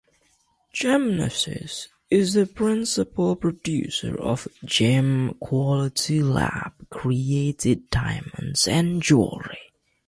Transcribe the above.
Gemesis is the principal producer of gem-quality lab-created diamonds and jewelry.